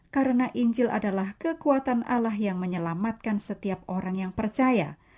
karena injil adalah kekuatan allah yang menyelamatkan setiap orang yang percaya